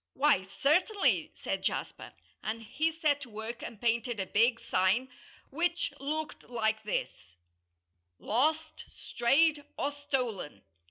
"Why, certainly!" said Jasper. And he set to work and painted a big sign, which looked like this: LOST, STRAYED, OR STOLEN!